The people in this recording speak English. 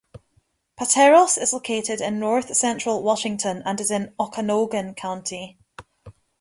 Pateros is located in north central Washington and is in Okanogan County.